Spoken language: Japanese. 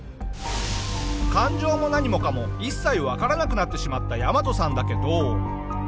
感情も何もかも一切わからなくなってしまったヤマトさんだけど。